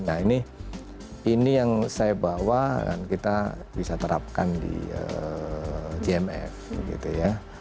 nah ini yang saya bawa dan kita bisa terapkan di gmf gitu ya